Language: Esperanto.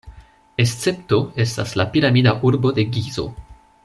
Escepto estas la piramida urbo de Gizo.